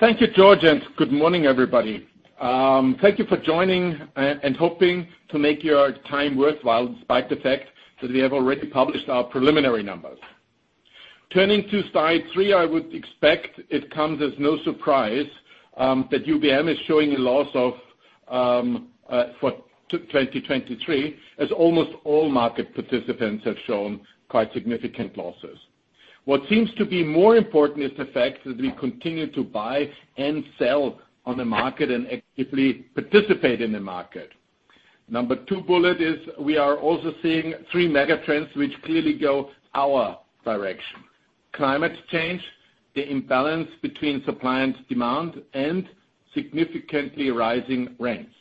Thank you, George, and good morning, everybody. Thank you for joining and hoping to make your time worthwhile despite the fact that we have already published our preliminary numbers. Turning to slide 3, I would expect it comes as no surprise that UBM is showing a loss for 2023, as almost all market participants have shown quite significant losses. What seems to be more important is the fact that we continue to buy and sell on the market and actively participate in the market. Number 2 bullet is we are also seeing three megatrends which clearly go our direction: climate change, the imbalance between supply and demand, and significantly rising rates.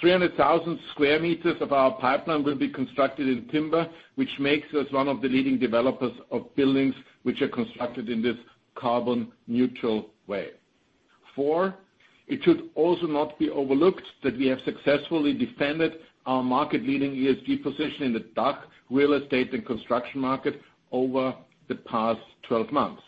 3, 300,000 sq m of our pipeline will be constructed in timber, which makes us one of the leading developers of buildings which are constructed in this carbon-neutral way. 4, it should also not be overlooked that we have successfully defended our market-leading ESG position in the DACH real estate and construction market over the past 12 months.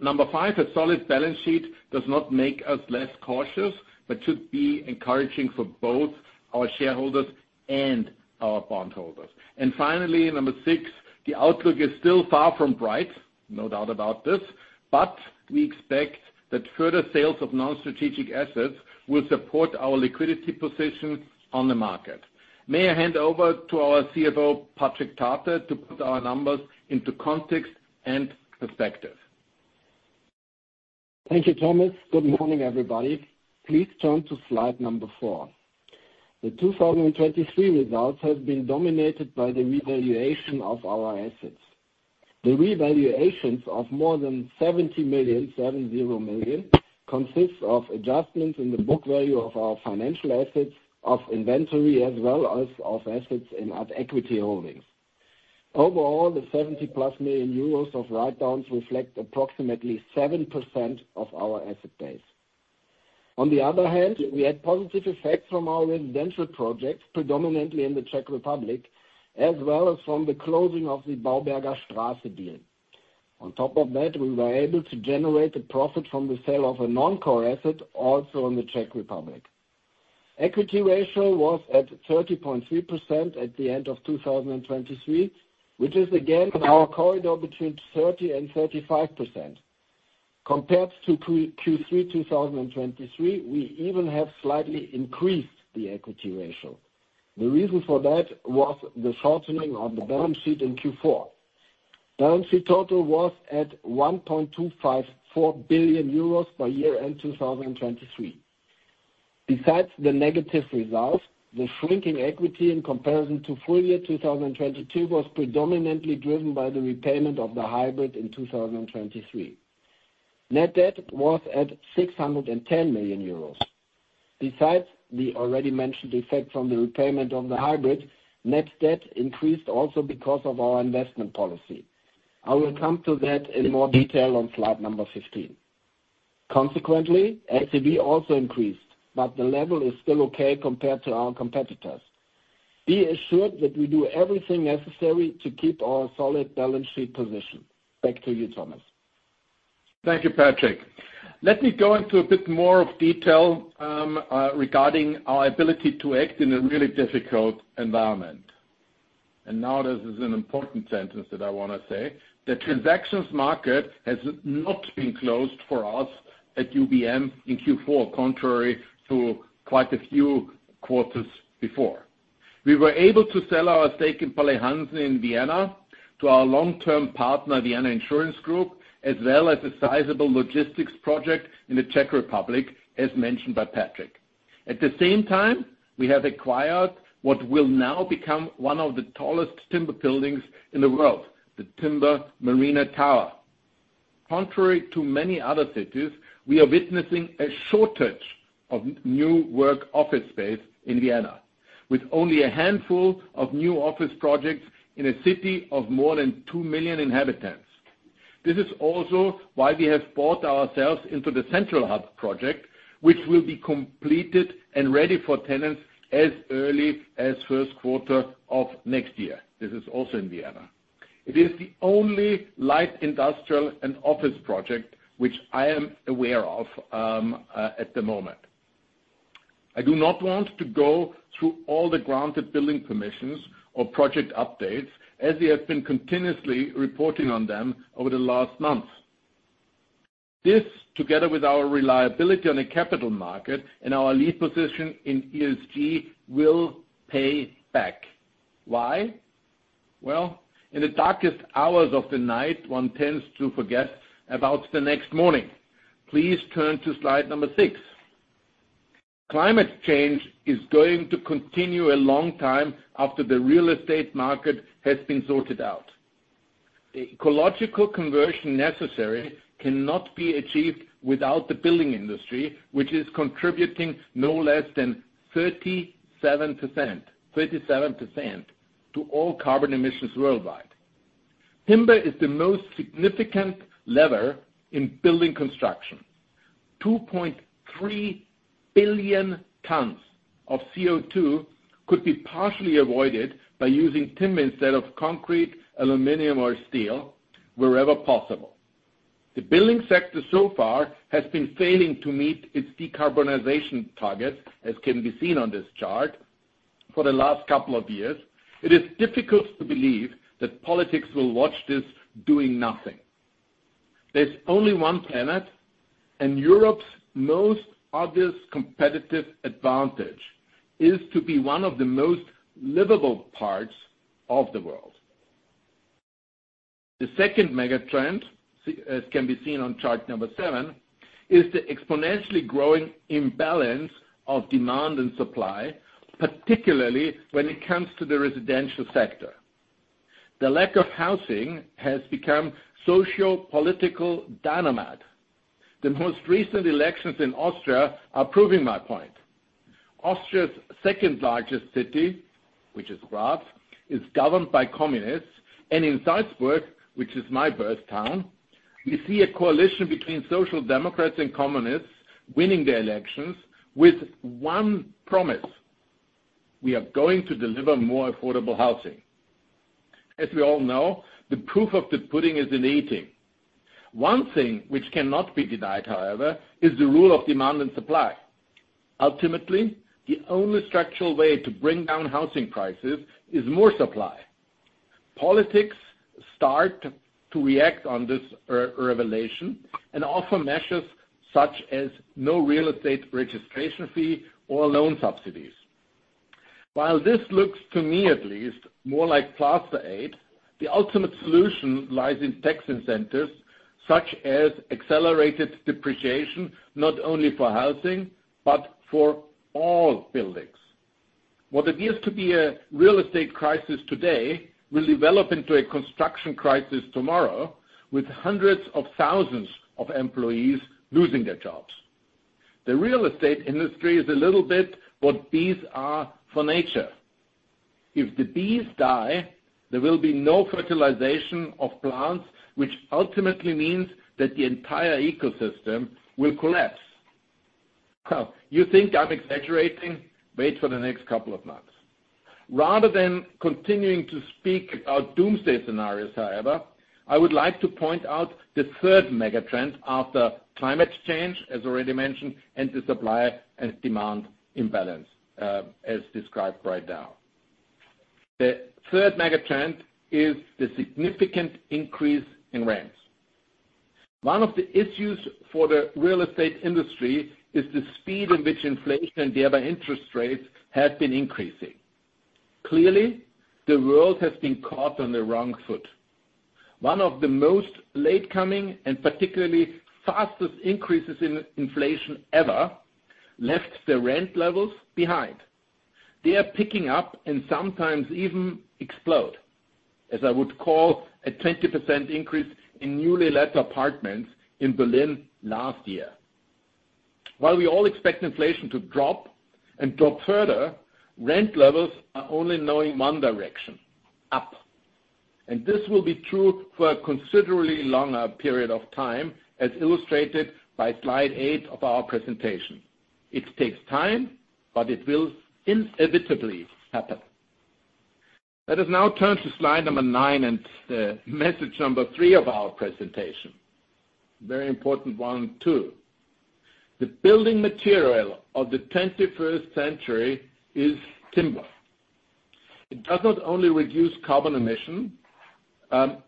Number 5, a solid balance sheet does not make us less cautious but should be encouraging for both our shareholders and our bondholders. And finally, number 6, the outlook is still far from bright, no doubt about this, but we expect that further sales of non-strategic assets will support our liquidity position on the market. May I hand over to our CFO, Patric Thate, to put our numbers into context and perspective. Thank you, Thomas. Good morning, everybody. Please turn to slide 4. The 2023 results have been dominated by the revaluation of our assets. The revaluations of more than 70 million, 70 million, consist of adjustments in the book value of our financial assets, of inventory, as well as of assets in equity holdings. Overall, the 70 million euros+ of write-downs reflect approximately 7% of our asset base. On the other hand, we had positive effects from our residential projects, predominantly in the Czech Republic, as well as from the closing of the Bauberger Straße deal. On top of that, we were able to generate a profit from the sale of a non-core asset also in the Czech Republic. Equity ratio was at 30.3% at the end of 2023, which is again in our corridor between 30%-35%. Compared to Q3 2023, we even have slightly increased the equity ratio. The reason for that was the shortening of the balance sheet in Q4. Balance sheet total was at 1.254 billion euros by year-end 2023. Besides the negative results, the shrinking equity in comparison to full year 2022 was predominantly driven by the repayment of the hybrid in 2023. Net debt was at 610 million euros. Besides the already mentioned effect from the repayment of the hybrid, net debt increased also because of our investment policy. I will come to that in more detail on slide number 15. Consequently, LTV also increased, but the level is still okay compared to our competitors. Be assured that we do everything necessary to keep our solid balance sheet position. Back to you, Thomas. Thank you, Patric. Let me go into a bit more of detail regarding our ability to act in a really difficult environment. Now this is an important sentence that I want to say: the transactions market has not been closed for us at UBM in Q4, contrary to quite a few quarters before. We were able to sell our stake in Palais Hansen in Vienna to our long-term partner, Vienna Insurance Group, as well as a sizable logistics project in the Czech Republic, as mentioned by Patric. At the same time, we have acquired what will now become one of the tallest timber buildings in the world, the Timber Marina Tower. Contrary to many other cities, we are witnessing a shortage of new work office space in Vienna, with only a handful of new office projects in a city of more than 2 million inhabitants. This is also why we have bought ourselves into the Central Hub project, which will be completed and ready for tenants as early as first quarter of next year. This is also in Vienna. It is the only light industrial and office project which I am aware of at the moment. I do not want to go through all the granted building permissions or project updates, as we have been continuously reporting on them over the last months. This, together with our reliability on the capital market and our lead position in ESG, will pay back. Why? Well, in the darkest hours of the night, one tends to forget about the next morning. Please turn to slide number 6. Climate change is going to continue a long time after the real estate market has been sorted out. The ecological conversion necessary cannot be achieved without the building industry, which is contributing no less than 37% to all carbon emissions worldwide. Timber is the most significant lever in building construction. 2.3 billion tons of CO2 could be partially avoided by using timber instead of concrete, aluminum, or steel wherever possible. The building sector so far has been failing to meet its decarbonization targets, as can be seen on this chart, for the last couple of years. It is difficult to believe that politics will watch this doing nothing. There's only one planet, and Europe's most obvious competitive advantage is to be one of the most livable parts of the world. The second megatrend, as can be seen on chart number seven, is the exponentially growing imbalance of demand and supply, particularly when it comes to the residential sector. The lack of housing has become sociopolitical dynamite. The most recent elections in Austria are proving my point. Austria's second-largest city, which is Graz, is governed by communists, and in Salzburg, which is my birth town, we see a coalition between Social Democrats and communists winning the elections with one promise: we are going to deliver more affordable housing. As we all know, the proof of the pudding is in eating. One thing which cannot be denied, however, is the rule of demand and supply. Ultimately, the only structural way to bring down housing prices is more supply. Politics start to react on this revelation and offer measures such as no real estate registration fee or loan subsidies. While this looks, to me at least, more like plaster aid, the ultimate solution lies in tax incentives such as accelerated depreciation not only for housing but for all buildings. What appears to be a real estate crisis today will develop into a construction crisis tomorrow, with hundreds of thousands of employees losing their jobs. The real estate industry is a little bit what bees are for nature. If the bees die, there will be no fertilization of plants, which ultimately means that the entire ecosystem will collapse. Well, you think I'm exaggerating? Wait for the next couple of months. Rather than continuing to speak about doomsday scenarios, however, I would like to point out the third megatrend after climate change, as already mentioned, and the supply and demand imbalance as described right now. The third megatrend is the significant increase in rates. One of the issues for the real estate industry is the speed in which inflation and thereby interest rates have been increasing. Clearly, the world has been caught on the wrong foot. One of the most late-coming and particularly fastest increases in inflation ever left the rent levels behind. They are picking up and sometimes even explode, as I would call a 20% increase in newly let apartments in Berlin last year. While we all expect inflation to drop and drop further, rent levels are only going one direction: up. This will be true for a considerably longer period of time, as illustrated by slide eight of our presentation. It takes time, but it will inevitably happen. Let us now turn to slide number nine and message number three of our presentation. Very important one too. The building material of the 21st century is timber. It does not only reduce carbon emissions,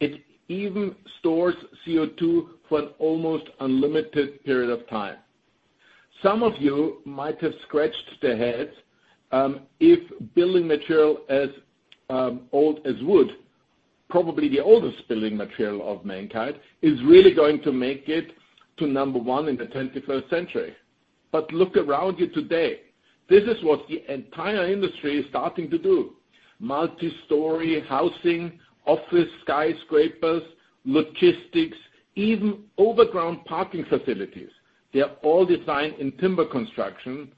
it even stores CO2 for an almost unlimited period of time. Some of you might have scratched their heads if building material as old as wood, probably the oldest building material of mankind, is really going to make it to number one in the 21st century. But look around you today. This is what the entire industry is starting to do: multi-story housing, office skyscrapers, logistics, even overground parking facilities. They are all designed in timber construction.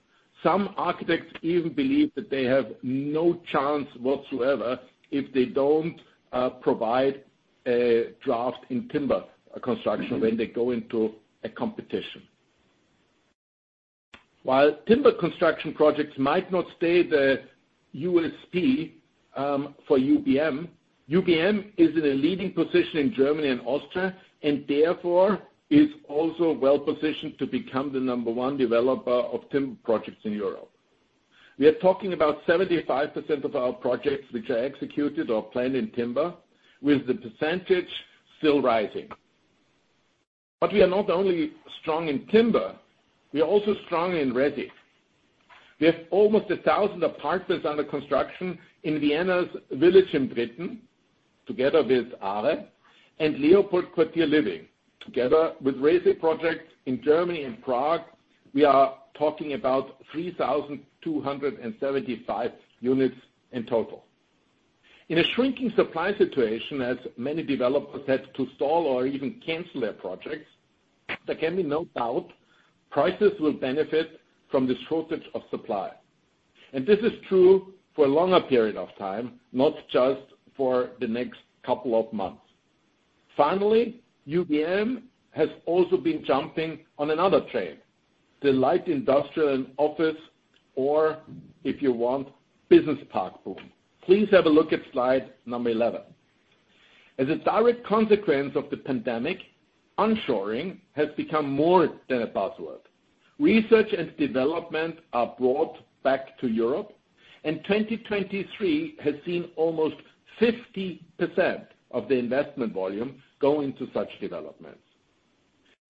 Some architects even believe that they have no chance whatsoever if they don't provide a draft in timber construction when they go into a competition. While timber construction projects might not stay the USP for UBM, UBM is in a leading position in Germany and Austria and therefore is also well-positioned to become the number one developer of timber projects in Europe. We are talking about 75% of our projects which are executed or planned in timber, with the percentage still rising. But we are not only strong in timber, we are also strong in resi. We have almost 1,000 apartments under construction in Vienna's Village im Dritten, together with ARE, and Leopold Quartier Living, together with resi projects in Germany and Prague. We are talking about 3,275 units in total. In a shrinking supply situation, as many developers had to stall or even cancel their projects, there can be no doubt prices will benefit from this shortage of supply. And this is true for a longer period of time, not just for the next couple of months. Finally, UBM has also been jumping on another train: the light industrial and office, or if you want, business park boom. Please have a look at slide number 11. As a direct consequence of the pandemic, onshoring has become more than a buzzword. Research and development are brought back to Europe, and 2023 has seen almost 50% of the investment volume go into such developments.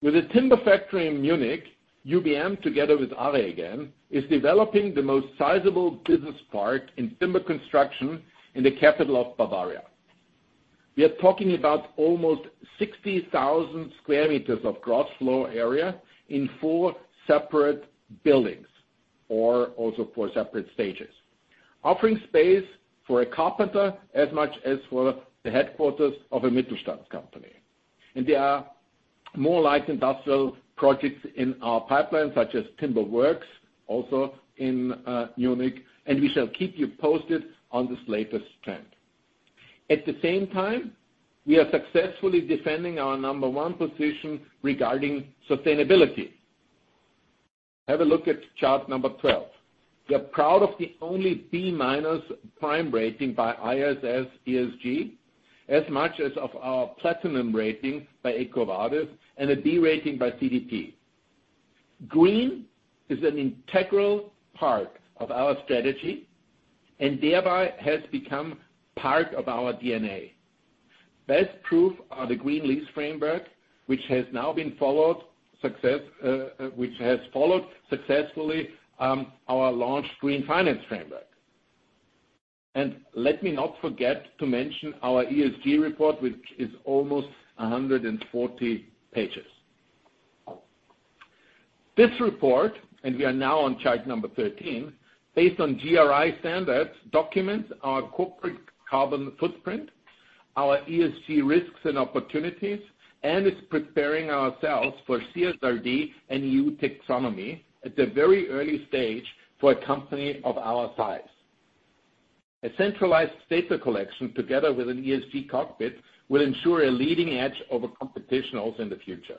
With a Timber Factory in Munich, UBM, together with ARE again, is developing the most sizable business park in timber construction in the capital of Bavaria. We are talking about almost 60,000 sq m of gross floor area in four separate buildings or also four separate stages, offering space for a carpenter as much as for the headquarters of a Mittelstand company. There are more light industrial projects in our pipeline, such as Timberworks, also in Munich, and we shall keep you posted on this latest trend. At the same time, we are successfully defending our number one position regarding sustainability. Have a look at chart number 12. We are proud of the only B- Prime rating by ISS ESG as much as of our Platinum rating by EcoVadis and a B rating by CDP. Green is an integral part of our strategy and thereby has become part of our DNA. Best proof are the Green Lease Framework, which has now been followed successfully our launched Green Finance Framework. And let me not forget to mention our ESG report, which is almost 140 pages. This report, and we are now on chart 13, based on GRI standards, documents our corporate carbon footprint, our ESG risks and opportunities, and is preparing ourselves for CSRD and EU Taxonomy at the very early stage for a company of our size. A centralized data collection together with an ESG Cockpit will ensure a leading edge over competition also in the future.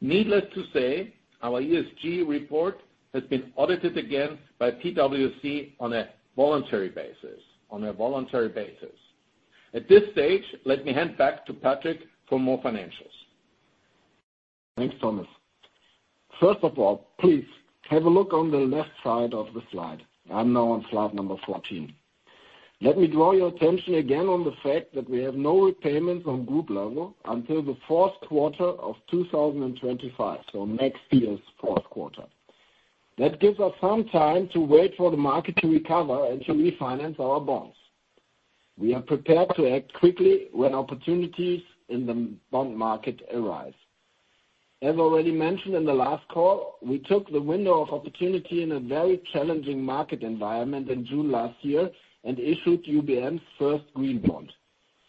Needless to say, our ESG report has been audited again by PwC on a voluntary basis. At this stage, let me hand back to Patric for more financials. Thanks, Thomas. First of all, please have a look on the left side of the slide. I'm now on slide number 14. Let me draw your attention again on the fact that we have no repayments on group level until the fourth quarter of 2025, so next year's fourth quarter. That gives us some time to wait for the market to recover and to refinance our bonds. We are prepared to act quickly when opportunities in the bond market arise. As already mentioned in the last call, we took the window of opportunity in a very challenging market environment in June last year and issued UBM's first green bond.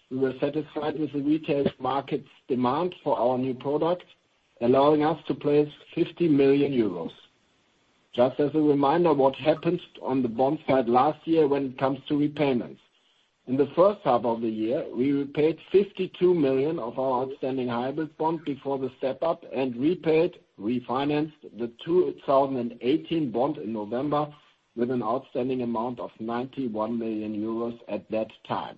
We were satisfied with the retail market's demand for our new product, allowing us to place 50 million euros. Just as a reminder of what happened on the bond side last year when it comes to repayments: in the first half of the year, we repaid 52 million of our outstanding hybrid bond before the step-up and repaid, refinanced the 2018 bond in November with an outstanding amount of 91 million euros at that time.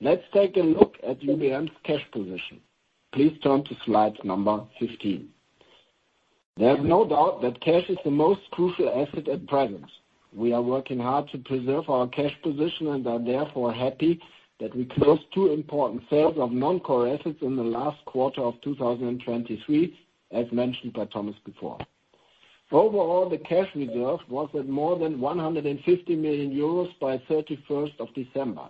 Let's take a look at UBM's cash position. Please turn to slide number 15. There is no doubt that cash is the most crucial asset at present. We are working hard to preserve our cash position and are therefore happy that we closed two important sales of non-core assets in the last quarter of 2023, as mentioned by Thomas before. Overall, the cash reserve was at more than 150 million euros by 31st of December.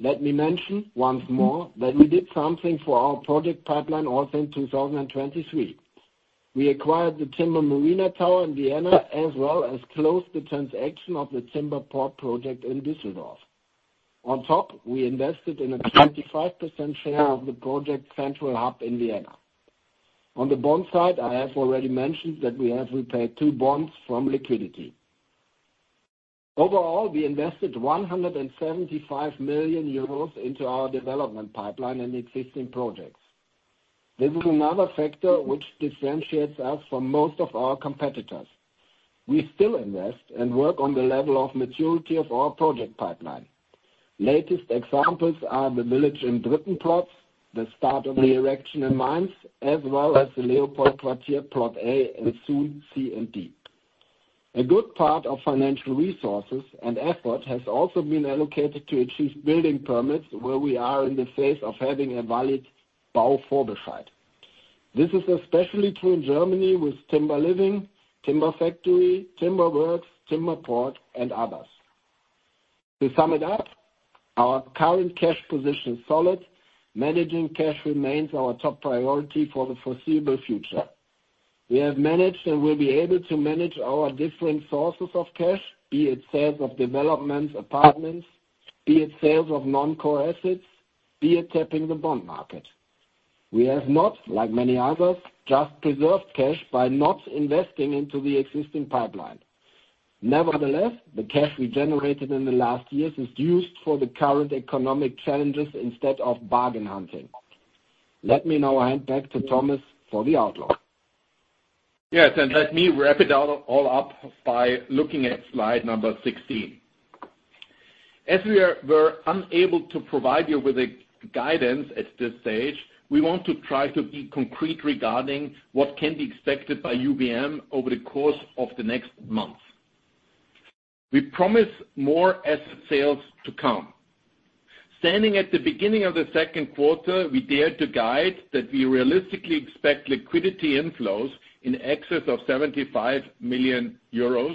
Let me mention once more that we did something for our project pipeline also in 2023. We acquired the Timber Marina Tower in Vienna as well as closed the transaction of the Timber Port project in Düsseldorf. On top, we invested in a 25% share of the project Central Hub in Vienna. On the bond side, I have already mentioned that we have repaid two bonds from liquidity. Overall, we invested 175 million euros into our development pipeline and existing projects. This is another factor which differentiates us from most of our competitors. We still invest and work on the level of maturity of our project pipeline. Latest examples are the Village im Dritten plots, the start of the erection in Mainz, as well as the Leopold Quartier plot A and soon C and D. A good part of financial resources and effort has also been allocated to achieve building permits where we are in the phase of having a valid Bauvorbescheid. This is especially true in Germany with Timber Living, Timber Factory, Timberworks, Timber Port, and others. To sum it up, our current cash position is solid. Managing cash remains our top priority for the foreseeable future. We have managed and will be able to manage our different sources of cash, be it sales of developments, apartments, be it sales of non-core assets, be it tapping the bond market. We have not, like many others, just preserved cash by not investing into the existing pipeline. Nevertheless, the cash we generated in the last years is used for the current economic challenges instead of bargain hunting. Let me now hand back to Thomas for the outlook. Yes, and let me wrap it all up by looking at slide number 16. As we were unable to provide you with guidance at this stage, we want to try to be concrete regarding what can be expected by UBM over the course of the next months. We promise more asset sales to come. Standing at the beginning of the second quarter, we dared to guide that we realistically expect liquidity inflows in excess of 75 million euros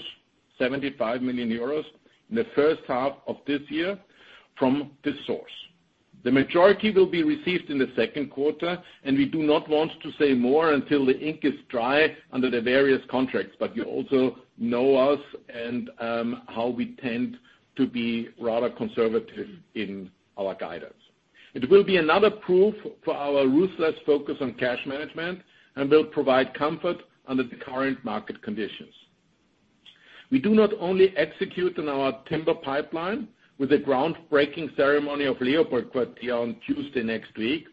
in the first half of this year from this source. The majority will be received in the second quarter, and we do not want to say more until the ink is dry under the various contracts, but you also know us and how we tend to be rather conservative in our guidance. It will be another proof for our ruthless focus on cash management and will provide comfort under the current market conditions. We do not only execute on our timber pipeline with a groundbreaking ceremony of Leopold Quartier on Tuesday next week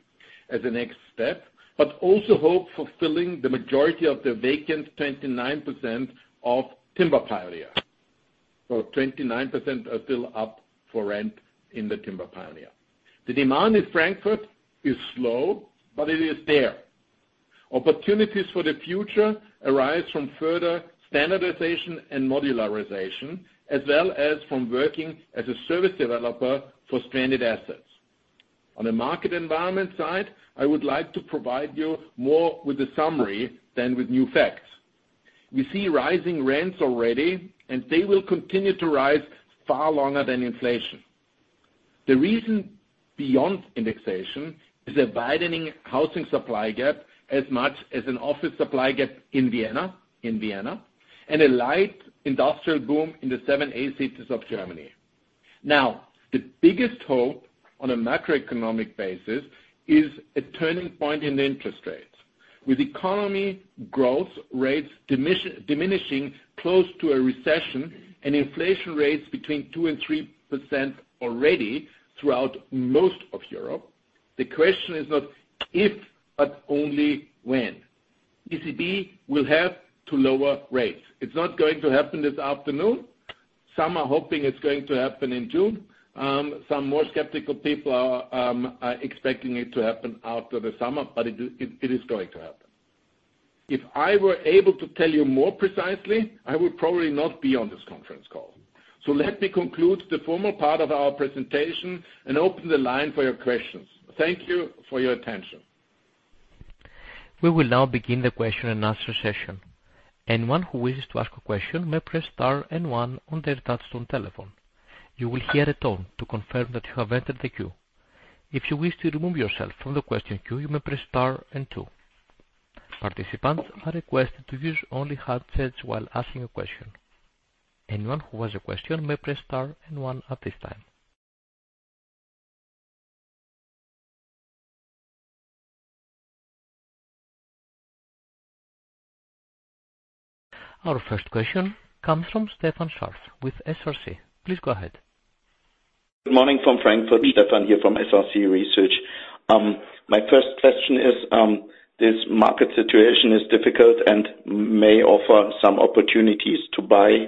as a next step, but also hope for filling the majority of the vacant 29% of Timber Pioneer. So 29% are still up for rent in the Timber Pioneer. The demand in Frankfurt is slow, but it is there. Opportunities for the future arise from further standardization and modularization, as well as from working as a service developer for stranded assets. On the market environment side, I would like to provide you more with a summary than with new facts. We see rising rents already, and they will continue to rise far longer than inflation. The reason beyond indexation is a widening housing supply gap as much as an office supply gap in Vienna and a light industrial boom in the seven A cities of Germany. Now, the biggest hope on a macroeconomic basis is a turning point in the interest rates, with economy growth rates diminishing close to a recession and inflation rates between 2% and 3% already throughout most of Europe. The question is not if, but only when. ECB will have to lower rates. It's not going to happen this afternoon. Some are hoping it's going to happen in June. Some more skeptical people are expecting it to happen after the summer, but it is going to happen. If I were able to tell you more precisely, I would probably not be on this conference call. So let me conclude the formal part of our presentation and open the line for your questions. Thank you for your attention. We will now begin the question-and-answer session. Anyone who wishes to ask a question may press star and one on their touch-tone telephone. You will hear a tone to confirm that you have entered the queue. If you wish to remove yourself from the question queue, you may press star and two. Participants are requested to use only headsets while asking a question. Anyone who has a question may press star and one at this time. Our first question comes from Stefan Scharff with SRC. Please go ahead. Good morning from Frankfurt. Stefan here from SRC Research. My first question is: this market situation is difficult and may offer some opportunities to buy.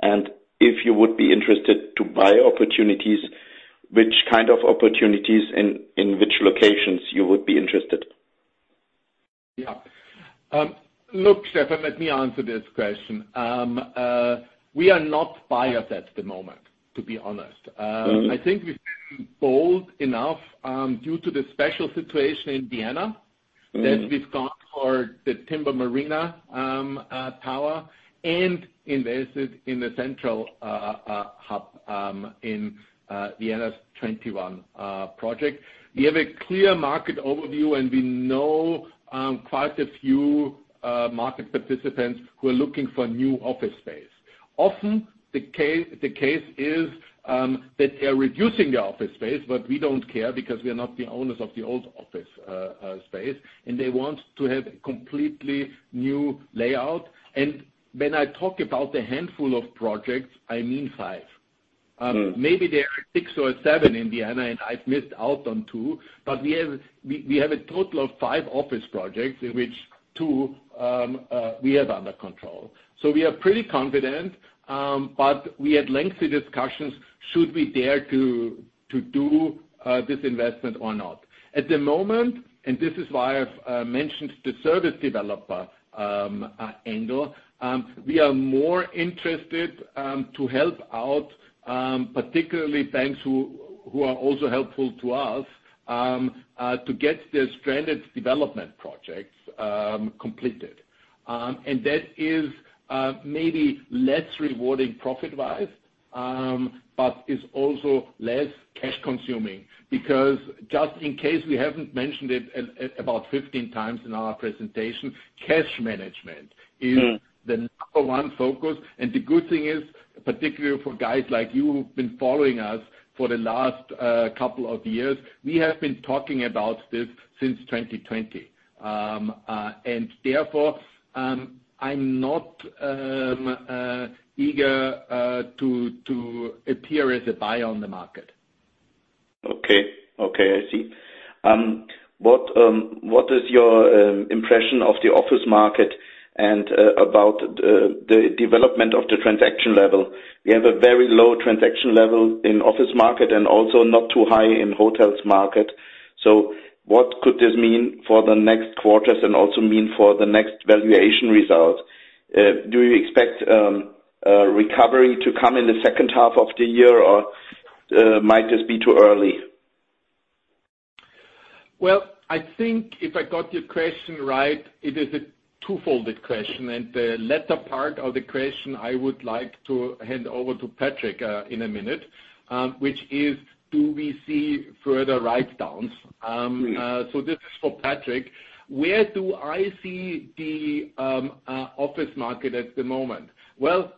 And if you would be interested to buy opportunities, which kind of opportunities in which locations you would be interested? Yeah. Look, Stefan, let me answer this question. We are not buyers at the moment, to be honest. I think we've been bold enough due to the special situation in Vienna that we've gone for the Timber Marina Tower and invested in the Central Hub in Vienna's 21 project. We have a clear market overview, and we know quite a few market participants who are looking for new office space. Often, the case is that they're reducing their office space, but we don't care because we are not the owners of the old office space, and they want to have a completely new layout. And when I talk about a handful of projects, I mean five. Maybe there are six or seven in Vienna, and I've missed out on two, but we have a total of five office projects in which two we have under control. So we are pretty confident, but we had lengthy discussions: should we dare to do this investment or not? At the moment, and this is why I've mentioned the service developer angle, we are more interested to help out, particularly banks who are also helpful to us, to get their stranded development projects completed. And that is maybe less rewarding profit-wise but is also less cash-consuming because, just in case we haven't mentioned it about 15 times in our presentation, cash management is the number one focus. And the good thing is, particularly for guys like you who've been following us for the last couple of years, we have been talking about this since 2020. And therefore, I'm not eager to appear as a buyer on the market. Okay. Okay. I see. What is your impression of the office market and about the development of the transaction level? We have a very low transaction level in the office market and also not too high in the hotels' market. So what could this mean for the next quarters and also mean for the next valuation results? Do you expect recovery to come in the second half of the year, or might this be too early? Well, I think if I got your question right, it is a twofold question. And the latter part of the question, I would like to hand over to Patric in a minute, which is: do we see further write-downs? So this is for Patric. Where do I see the office market at the moment? Well,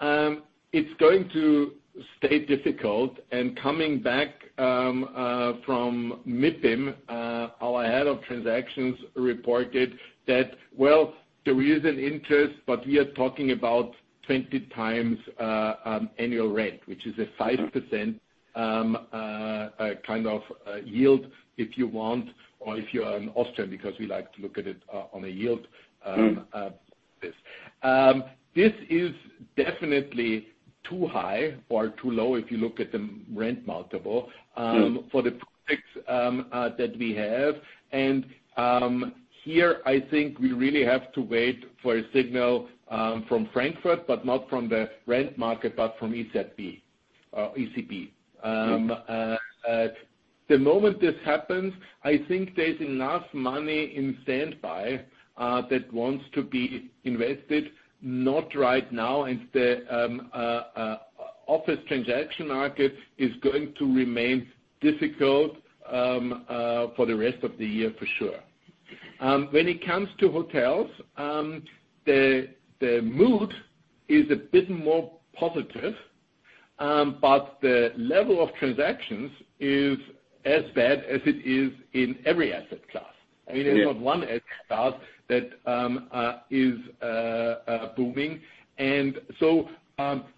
it's going to stay difficult. And coming back from MIPIM, our head of transactions reported that, well, there is an interest, but we are talking about 20x annual rent, which is a 5% kind of yield, if you want, or if you're an Austrian because we like to look at it on a yield basis. This is definitely too high or too low if you look at the rent multiple for the projects that we have. Here, I think we really have to wait for a signal from Frankfurt, but not from the rent market, but from ECB. The moment this happens, I think there's enough money in standby that wants to be invested, not right now. And the office transaction market is going to remain difficult for the rest of the year, for sure. When it comes to hotels, the mood is a bit more positive, but the level of transactions is as bad as it is in every asset class. I mean, there's not one asset class that is booming. And so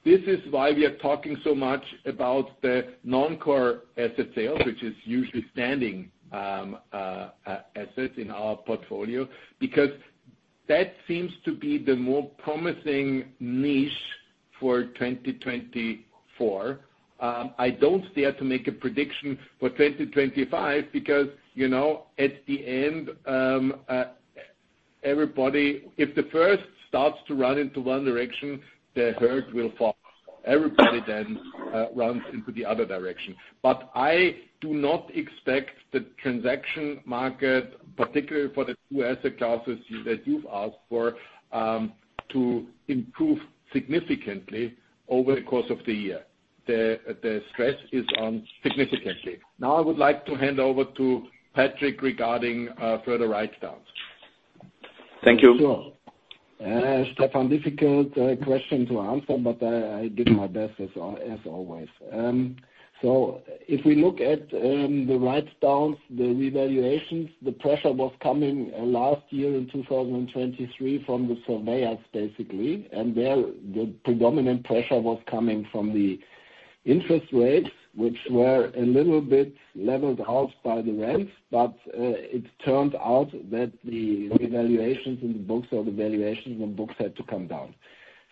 this is why we are talking so much about the non-core asset sales, which is usually standing assets in our portfolio, because that seems to be the more promising niche for 2024. I don't dare to make a prediction for 2025 because, at the end, if the first starts to run into one direction, the herd will follow. Everybody then runs into the other direction. But I do not expect the transaction market, particularly for the two asset classes that you've asked for, to improve significantly over the course of the year. The stress is on significantly. Now, I would like to hand over to Patric regarding further write-downs. Thank you. Sure. Stefan, difficult question to answer, but I did my best, as always. So if we look at the write-downs, the revaluations, the pressure was coming last year, in 2023, from the surveyors, basically. And there, the predominant pressure was coming from the interest rates, which were a little bit leveled out by the rents. But it turned out that the revaluations in the books or the valuations in the books had to come down.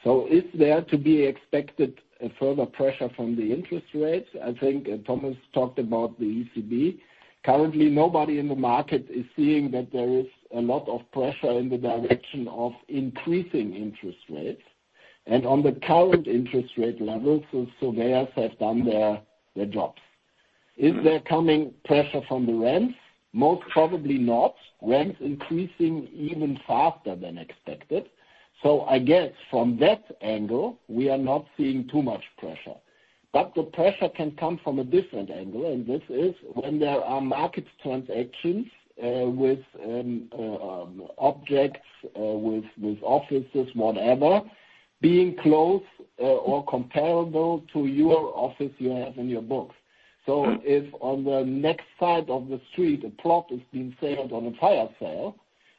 So is there to be expected further pressure from the interest rates? I think Thomas talked about the ECB. Currently, nobody in the market is seeing that there is a lot of pressure in the direction of increasing interest rates. And on the current interest rate level, the surveyors have done their jobs. Is there coming pressure from the rents? Most probably not. Rents increasing even faster than expected. So I guess, from that angle, we are not seeing too much pressure. But the pressure can come from a different angle, and this is when there are market transactions with objects, with offices, whatever, being close or comparable to your office you have in your books. So if, on the next side of the street, a plot is being sold on a fire sale,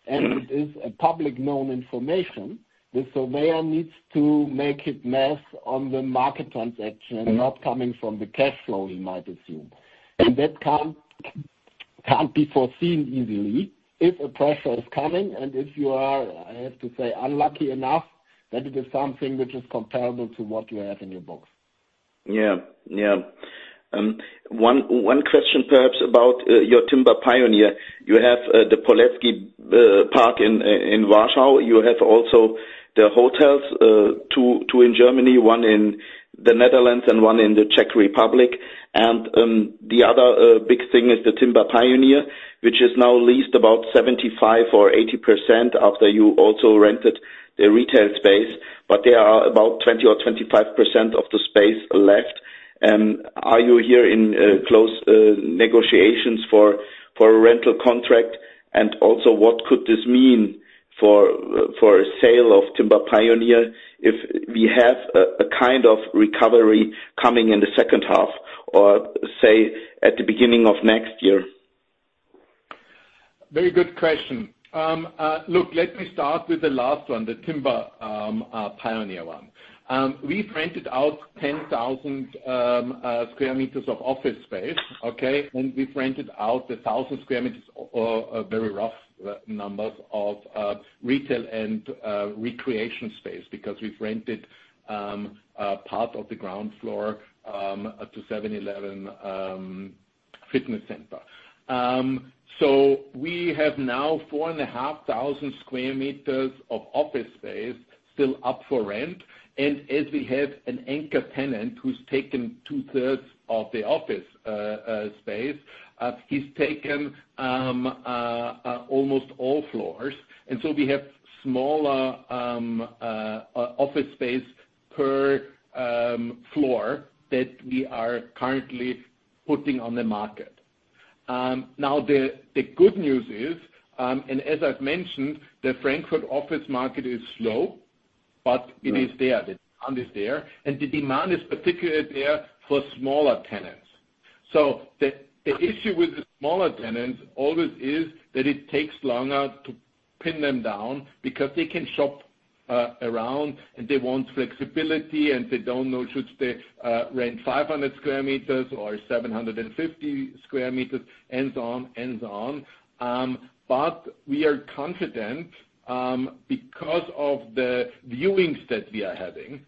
and it is publicly known information, the surveyor needs to make adjustments on the market transaction, not coming from the cash flow, he might assume. And that can't be foreseen easily if a pressure is coming and if you are, I have to say, unlucky enough that it is something which is comparable to what you have in your books. Yeah. Yeah. One question, perhaps, about your Timber Pioneer. You have the Poleczki Park in Warsaw. You have also two hotels in Germany, one in the Netherlands and one in the Czech Republic. And the other big thing is the Timber Pioneer, which is now leased about 75%-80% after you also rented the retail space, but there are about 20%-25% of the space left. Are you here in close negotiations for a rental contract? And also, what could this mean for a sale of Timber Pioneer if we have a kind of recovery coming in the second half or, say, at the beginning of next year? Very good question. Look, let me start with the last one, the Timber Pioneer one. We've rented out 10,000 sq m of office space, okay? And we've rented out 1,000 sq m, very rough numbers, of retail and recreation space because we've rented part of the ground floor to FITSEVENELEVEN fitness center. So we have now 4,500 sq m of office space still up for rent. And as we have an anchor tenant who's taken two-thirds of the office space, he's taken almost all floors. And so we have smaller office space per floor that we are currently putting on the market. Now, the good news is, and as I've mentioned, the Frankfurt office market is slow, but it is there. The demand is there. And the demand is particularly there for smaller tenants. So the issue with the smaller tenants always is that it takes longer to pin them down because they can shop around, and they want flexibility, and they don't know should they rent 500 sq m or 750 sq m, and so on, and so on. But we are confident, because of the viewings that we are having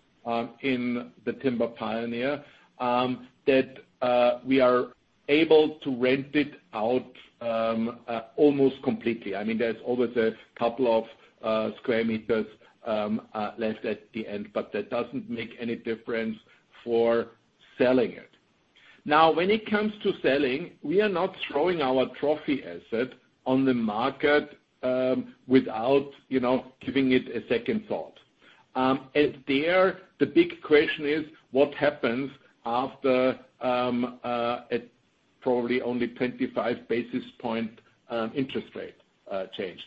in the Timber Pioneer, that we are able to rent it out almost completely. I mean, there's always a couple of square meters left at the end, but that doesn't make any difference for selling it. Now, when it comes to selling, we are not throwing our trophy asset on the market without giving it a second thought. And there, the big question is: what happens after a probably only 25 basis point interest rate change?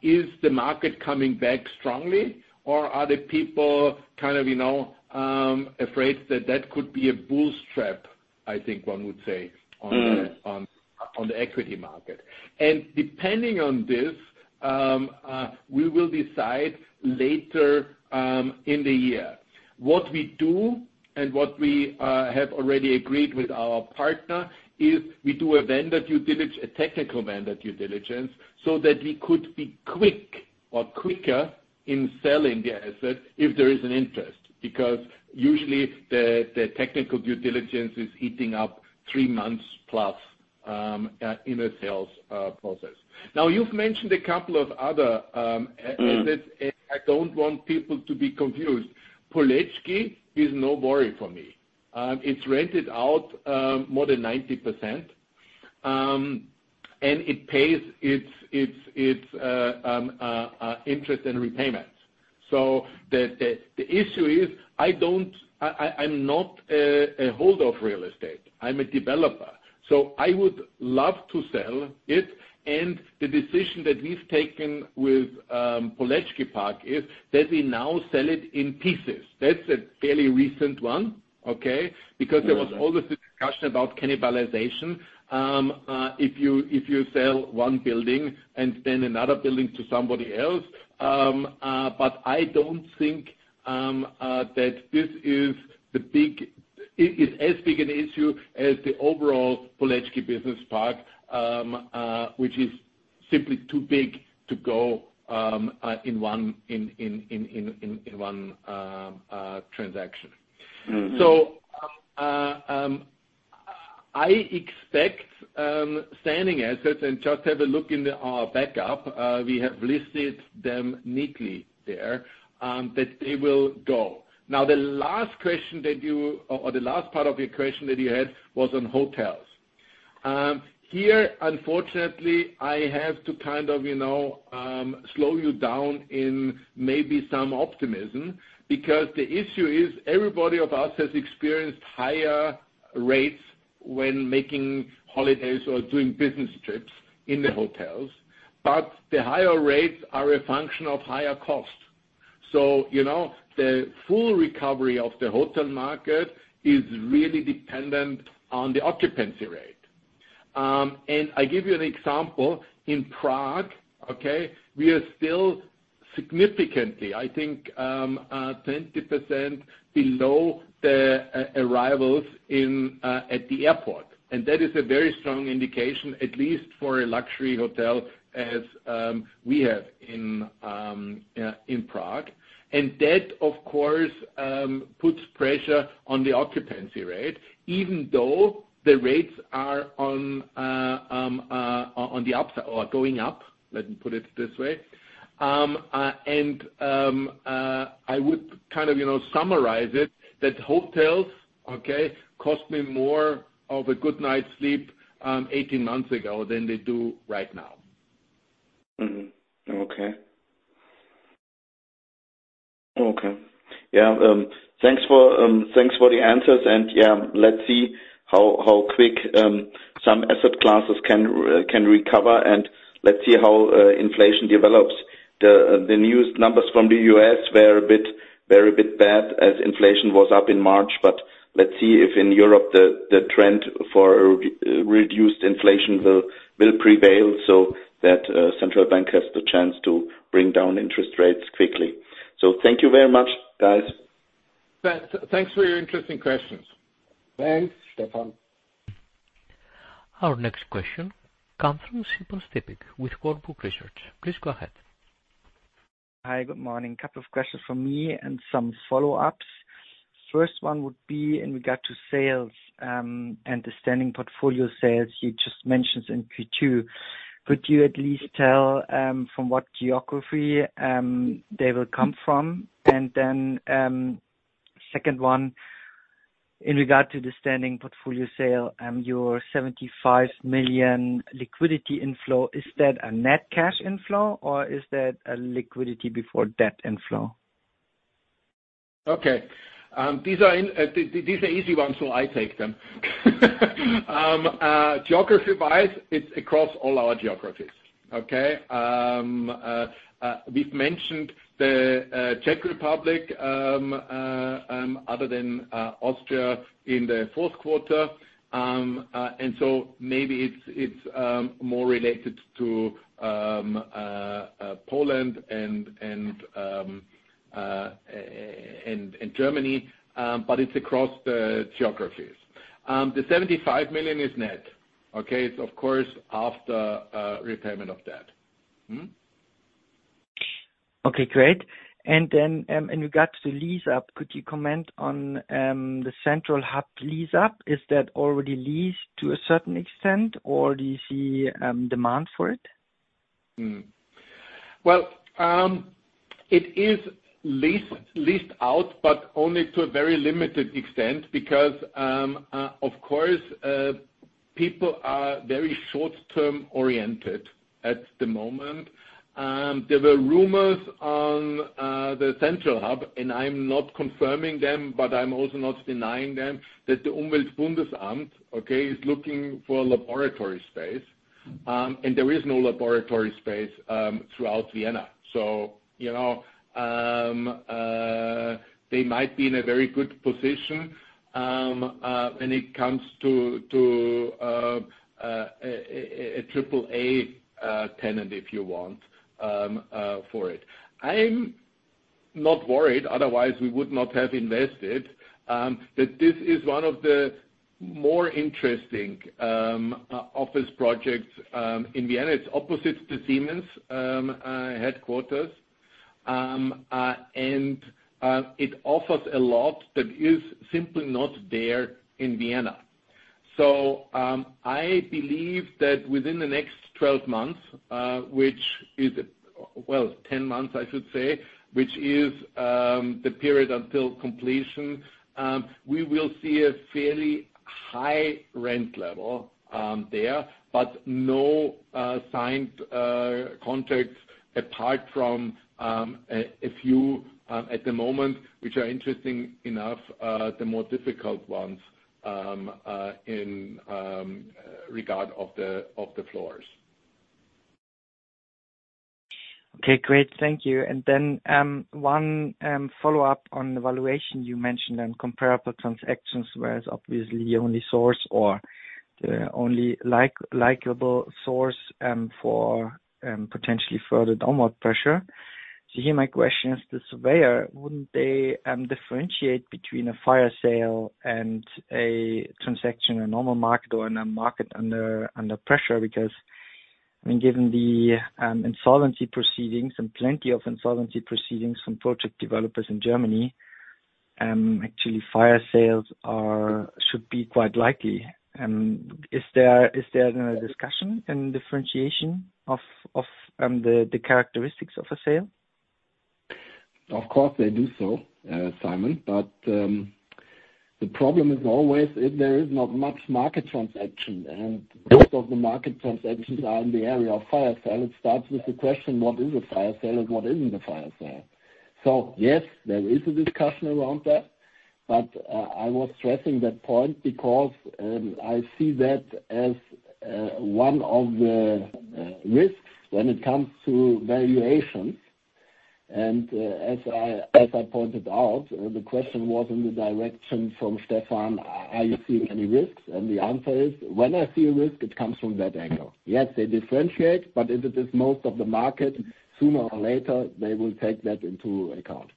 Is the market coming back strongly, or are the people kind of afraid that that could be a bull trap, I think one would say, on the equity market? Depending on this, we will decide later in the year. What we do and what we have already agreed with our partner is we do a vendor due diligence, a technical vendor due diligence, so that we could be quick or quicker in selling the asset if there is an interest because, usually, the technical due diligence is eating up three months-plus in a sales process. Now, you've mentioned a couple of other assets, and I don't want people to be confused. Poleczki is no worry for me. It's rented out more than 90%, and it pays its interest and repayments. So the issue is I'm not a holder of real estate. I'm a developer. So I would love to sell it. And the decision that we've taken with Poleczki Park is that we now sell it in pieces. That's a fairly recent one, okay, because there was always the discussion about cannibalization, if you sell one building and then another building to somebody else. But I don't think that this is the big it is as big an issue as the overall Poleczki Business Park, which is simply too big to go in one transaction. So I expect standing assets and just have a look in our backup, we have listed them neatly there, that they will go. Now, the last question that you or the last part of your question that you had was on hotels. Here, unfortunately, I have to kind of slow you down in maybe some optimism because the issue is everybody of us has experienced higher rates when making holidays or doing business trips in the hotels. But the higher rates are a function of higher cost. So the full recovery of the hotel market is really dependent on the occupancy rate. And I give you an example. In Prague, okay, we are still significantly, I think, 20% below the arrivals at the airport. And that is a very strong indication, at least for a luxury hotel as we have in Prague. And that, of course, puts pressure on the occupancy rate, even though the rates are on the upside or going up, let me put it this way. I would kind of summarize it that hotels, okay, cost me more of a good night's sleep 18 months ago than they do right now. Okay. Yeah. Thanks for the answers. Yeah, let's see how quick some asset classes can recover, and let's see how inflation develops. The new numbers from the US were a bit bad as inflation was up in March. But let's see if, in Europe, the trend for reduced inflation will prevail so that central bank has the chance to bring down interest rates quickly. So thank you very much, guys. Thanks for your interesting questions. Thanks, Stefan. Our next question comes from Simon Stippig with Warburg Research. Please go ahead. Hi. Good morning. Couple of questions from me and some follow-ups. First one would be in regard to sales and the standing portfolio sales you just mentioned in Q2. Could you at least tell from what geography they will come from? And then second one, in regard to the standing portfolio sale, your 75 million liquidity inflow, is that a net cash inflow, or is that a liquidity-before-debt inflow? Okay. These are easy ones, so I take them. Geography-wise, it's across all our geographies, okay? We've mentioned the Czech Republic, other than Austria, in the fourth quarter. And so maybe it's more related to Poland and Germany, but it's across the geographies. The 75 million is net, okay? It's, of course, after repayment of debt. Okay. Great. In regard to the lease-up, could you comment on the Central Hub lease-up? Is that already leased to a certain extent, or do you see demand for it? Well, it is leased out, but only to a very limited extent because, of course, people are very short-term oriented at the moment. There were rumors on the Central Hub, and I'm not confirming them, but I'm also not denying them, that the Umweltbundesamt, okay, is looking for laboratory space. There is no laboratory space throughout Vienna. So they might be in a very good position when it comes to a AAA tenant, if you want, for it. I'm not worried. Otherwise, we would not have invested. This is one of the more interesting office projects in Vienna. It's opposite the Siemens headquarters, and it offers a lot that is simply not there in Vienna. So I believe that, within the next 12 months, which is well, 10 months, I should say, which is the period until completion, we will see a fairly high rent level there but no signed contracts, apart from a few at the moment, which are interesting enough, the more difficult ones in regard of the floors. Okay. Great. Thank you. Then one follow-up on the valuation you mentioned and comparable transactions, whereas, obviously, the only source or the only likely source for potentially further downward pressure. So here, my question is to the surveyor: wouldn't they differentiate between a fire sale and a transaction in a normal market or in a market under pressure? Because, I mean, given the insolvency proceedings and plenty of insolvency proceedings from project developers in Germany, actually, fire sales should be quite likely. Is there then a discussion in differentiation of the characteristics of a sale? Of course, they do so, Simon. But the problem is always if there is not much market transaction, and most of the market transactions are in the area of fire sale. It starts with the question, "What is a fire sale, and what isn't a fire sale?" So yes, there is a discussion around that. But I was stressing that point because I see that as one of the risks when it comes to valuation. And as I pointed out, the question was in the direction from Stefan, "Are you seeing any risks?" And the answer is, "When I see a risk, it comes from that angle." Yes, they differentiate, but if it is most of the market, sooner or later, they will take that into account.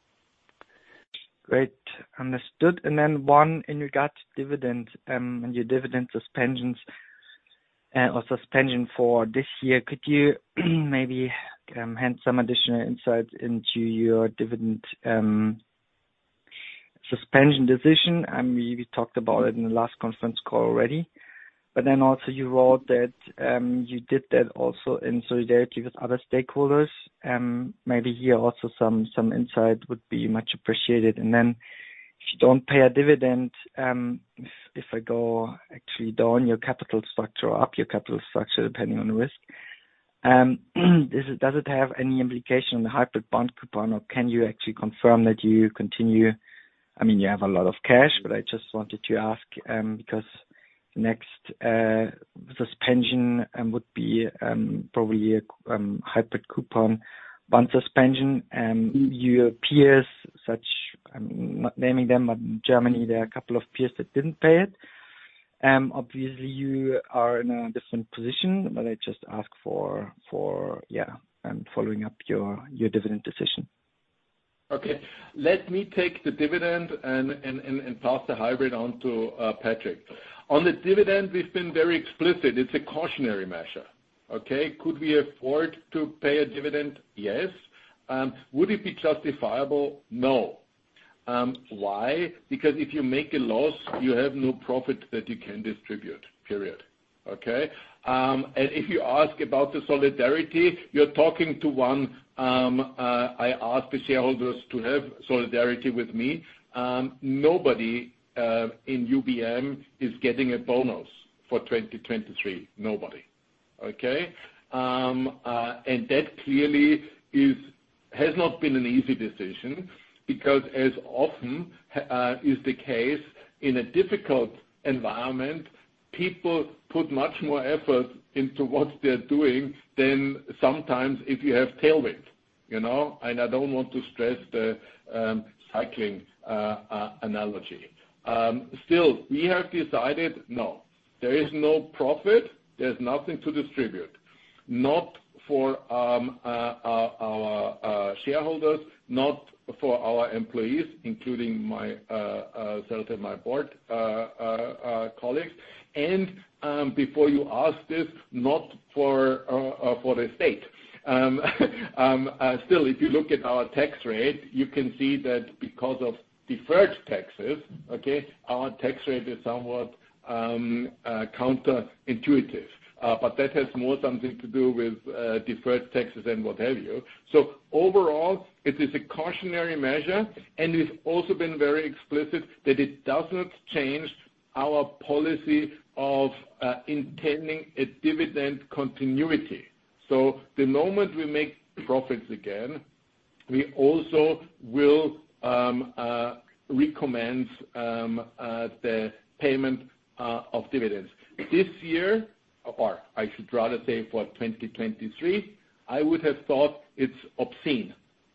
Great. Understood. And then one, in regard to dividends and your dividend suspensions or suspension for this year, could you maybe hand some additional insights into your dividend suspension decision? We talked about it in the last conference call already. But then also, you wrote that you did that also in solidarity with other stakeholders. Maybe here, also, some insight would be much appreciated. And then, if you don't pay a dividend, if I go actually down your capital structure or up your capital structure, depending on the risk, does it have any implication on the hybrid bond coupon, or can you actually confirm that you continue? I mean, you have a lot of cash, but I just wanted to ask because the next suspension would be probably a hybrid coupon bond suspension. Your peers, such, I'm not naming them, but in Germany, there are a couple of peers that didn't pay it. Obviously, you are in a different position, but I just ask for, yeah, following up your dividend decision. Okay. Let me take the dividend and pass the hybrid on to Patric. On the dividend, we've been very explicit. It's a cautionary measure, okay? Could we afford to pay a dividend? Yes. Would it be justifiable? No. Why? Because if you make a loss, you have no profit that you can distribute, period, okay? And if you ask about the solidarity, you're talking to one I asked the shareholders to have solidarity with me. Nobody in UBM is getting a bonus for 2023. Nobody, okay? And that clearly has not been an easy decision because, as often is the case, in a difficult environment, people put much more effort into what they're doing than sometimes if you have tailwind. And I don't want to stress the cycling analogy. Still, we have decided, "No. There is no profit. There's nothing to distribute, not for our shareholders, not for our employees, including myself and my board colleagues." And before you ask this, not for the state. Still, if you look at our tax rate, you can see that, because of deferred taxes, okay, our tax rate is somewhat counterintuitive. But that has more something to do with deferred taxes and what have you. So overall, it is a cautionary measure. And it's also been very explicit that it does not change our policy of intending a dividend continuity. So the moment we make profits again, we also will recommend the payment of dividends. This year, or I should rather say for 2023, I would have thought it's obscene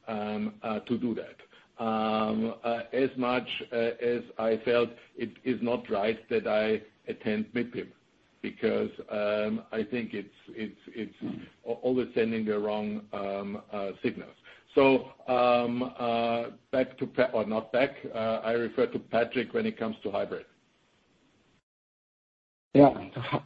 to do that, as much as I felt it is not right that I attend MIPIM because I think it's always sending the wrong signals. So back to or not back. I refer to Patric when it comes to hybrid. Yeah.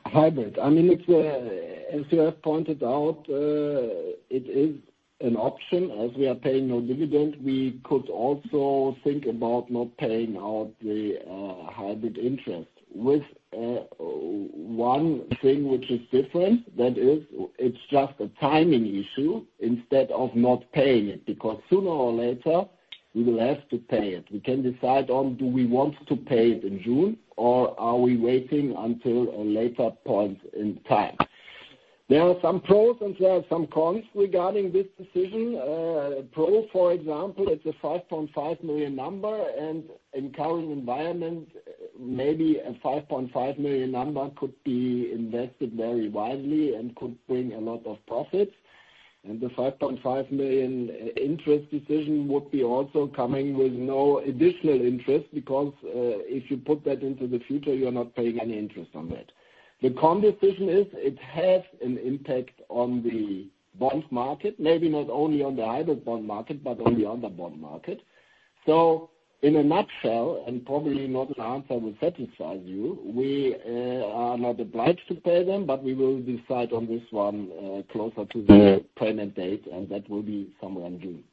Hybrid. I mean, as you have pointed out, it is an option. As we are paying no dividend, we could also think about not paying out the hybrid interest. With one thing which is different, that is, it's just a timing issue instead of not paying it because, sooner or later, we will have to pay it. We can decide on, "Do we want to pay it in June, or are we waiting until a later point in time?" There are some pros, and there are some cons regarding this decision. Pro, for example, it's a 5.5 million number. And in current environment, maybe a 5.5 million number could be invested very widely and could bring a lot of profits. And the 5.5 million interest decision would be also coming with no additional interest because, if you put that into the future, you're not paying any interest on that. The conclusion is, it has an impact on the bond market, maybe not only on the hybrid bond market but on the other bond market. So in a nutshell, and probably no answer will satisfy you, we are not obliged to pay them, but we will decide on this one closer to the payment date, and that will be somewhere in June.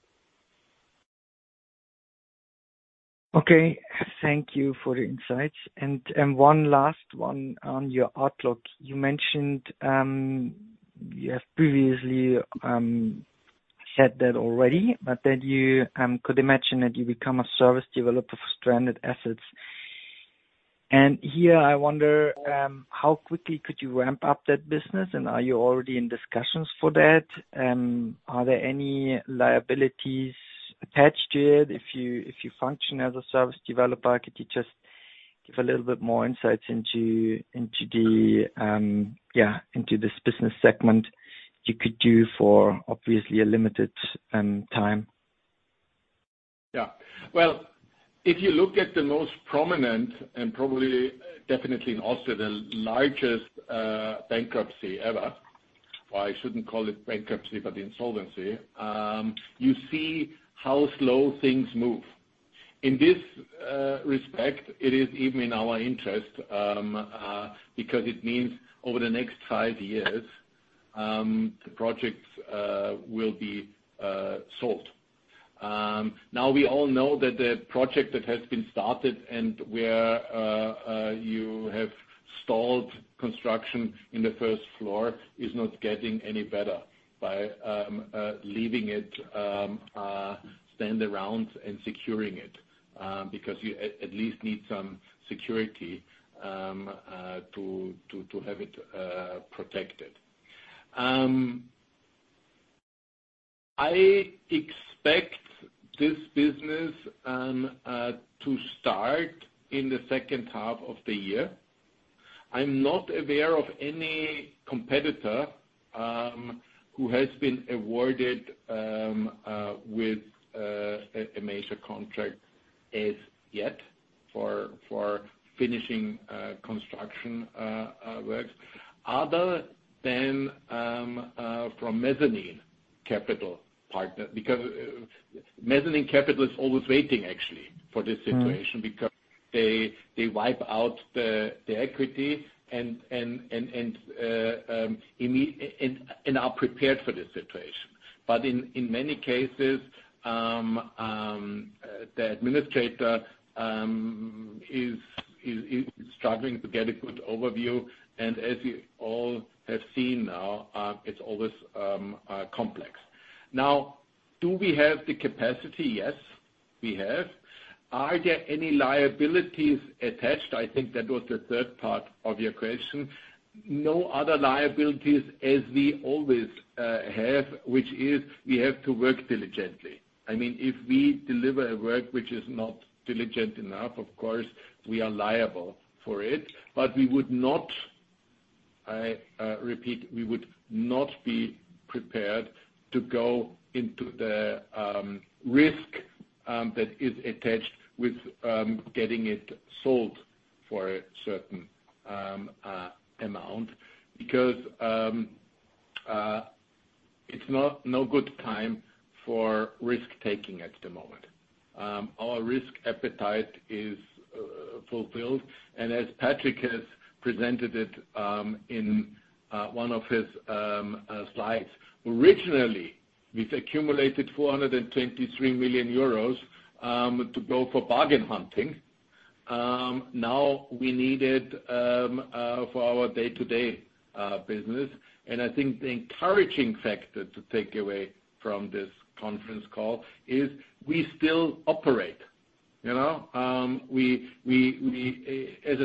Okay. Thank you for the insights. And one last one on your outlook. You mentioned you have previously said that already, but that you could imagine that you become a service developer for stranded assets. And here, I wonder, how quickly could you ramp up that business, and are you already in discussions for that? Are there any liabilities attached to it? If you function as a service developer, could you just give a little bit more insights into, yeah, into this business segment you could do for, obviously, a limited time? Yeah. Well, if you look at the most prominent and probably definitely in Austria the largest bankruptcy ever - well, I shouldn't call it bankruptcy but insolvency - you see how slow things move. In this respect, it is even in our interest because it means, over the next five years, the project will be sold. Now, we all know that the project that has been started and where you have stalled construction in the first floor is not getting any better by leaving it stand around and securing it because you at least need some security to have it protected. I expect this business to start in the second half of the year. I'm not aware of any competitor who has been awarded with a major contract as yet for finishing construction works other than from Mezzanine Capital Partner because Mezzanine Capital is always waiting, actually, for this situation because they wipe out the equity and are prepared for this situation. But in many cases, the administrator is struggling to get a good overview. And as you all have seen now, it's always complex. Now, do we have the capacity? Yes, we have. Are there any liabilities attached? I think that was the third part of your question. No other liabilities as we always have, which is we have to work diligently. I mean, if we deliver a work which is not diligent enough, of course, we are liable for it. But we would not I repeat, we would not be prepared to go into the risk that is attached with getting it sold for a certain amount because it's no good time for risk-taking at the moment. Our risk appetite is fulfilled. And as Patric has presented it in one of his slides, originally, we've accumulated 423 million euros to go for bargain hunting. Now, we need it for our day-to-day business. And I think the encouraging factor to take away from this conference call is we still operate. As I